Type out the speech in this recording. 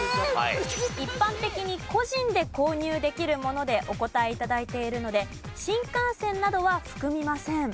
一般的に個人で購入できるものでお答え頂いているので新幹線などは含みません。